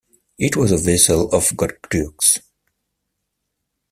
It was a vassal of Gokturks.